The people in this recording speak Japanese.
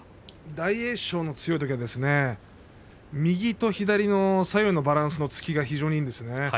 大栄翔の強いときは右と左の左右のバランスの突きが非常にいいんですね。